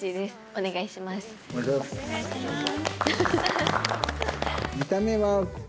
お願いします。